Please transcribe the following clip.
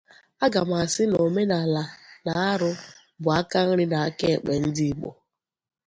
aga m asị na omenala na arụ bụ akanri na akaekpe ndị Igbo